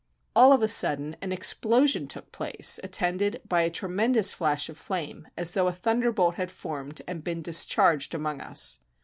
All of a sudden an explosion took place, attended by a tremendous flash of flame, as though a thunderbolt had formed and been discharged among us.